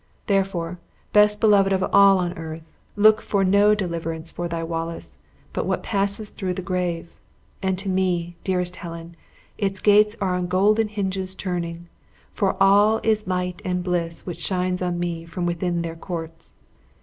Therefore, best beloved of all on earth! look for no deliverance for thy Wallace but what passes through the grave; and to me, dearest Helen, its gates are on golden hinges turning; for all is light and bliss which shines on me from within their courts!"